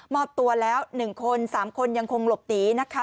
อบตัวแล้ว๑คน๓คนยังคงหลบหนีนะคะ